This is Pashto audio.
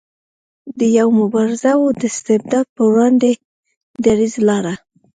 دی یو مبارز و د استبداد په وړاندې دریځ لاره.